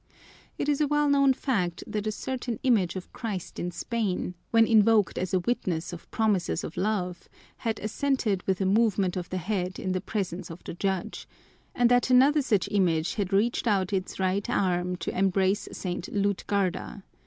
It is a well known fact that a certain image of Christ in Spain, when invoked as a witness of promises of love, had assented with a movement of the head in the presence of the judge, and that another such image had reached out its right arm to embrace St. Lutgarda.